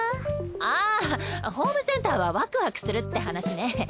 あホームセンターはワクワクするって話ね。